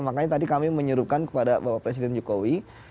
makanya tadi kami menyuruhkan kepada bapak presiden jokowi